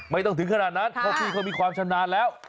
ไม่ต้องถึงขนาดนั้นเพราะพี่เขามีความชำนาญแล้ว